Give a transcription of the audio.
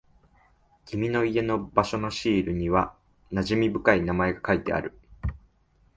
君の家の場所のシールには馴染み深い名前が書いてある。